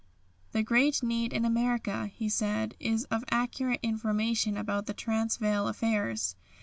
"The great need in America," he said, "is of accurate information about the Transvaal affairs.